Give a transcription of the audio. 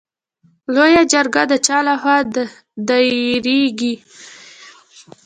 لویه جرګه د چا له خوا دایریږي؟